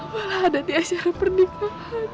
malah ada di acara pernikahan